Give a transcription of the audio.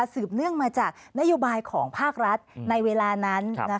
เนื่องมาจากนโยบายของภาครัฐในเวลานั้น